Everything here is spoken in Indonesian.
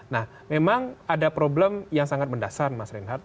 nah memang ada problem yang sangat mendasar mas reinhardt